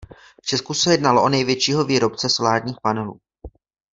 V Česku se jednalo o největšího výrobce solárních panelů.